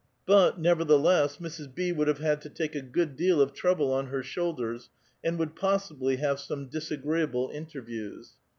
But, nevertheless, Mrs. B. would have to take a good deal of trouble on her shoulders, and would possibly have some disagreeable interviews.